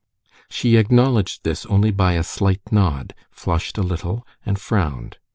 She acknowledged this only by a slight nod, flushed a little, and frowned.